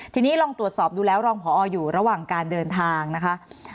ทีนี้ลองตรวจสอบดูแล้วรองพออยู่ระหว่างการเดินทางนะคะ